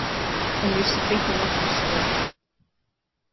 Un visu citu latvisko.